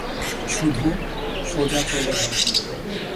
শুধু, সোজা চলে যাও।